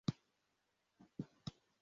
Mugihe uhagaze mugikoni gitukura